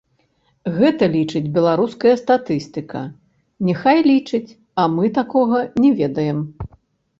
Гэта лічыць беларуская статыстыка, няхай лічыць, а мы такога не ведаем.